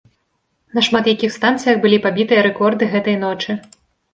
На шмат якіх станцыях былі пабітыя рэкорды гэтай ночы.